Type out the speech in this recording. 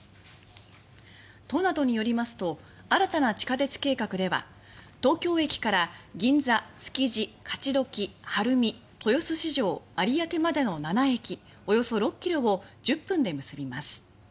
都などによりますと新たな地下鉄計画では東京駅から銀座、築地、勝どき晴海、豊洲市場、有明までの７駅およそ６ｋｍを１０分で結びます。